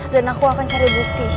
dan aku akan cari buahnya